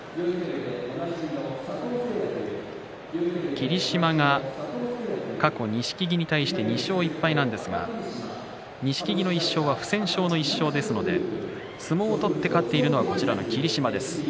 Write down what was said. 霧島が過去、錦木に対して２勝１敗なんですが錦木の１勝は不戦勝の１勝ですので相撲を取って勝っているのは霧島です。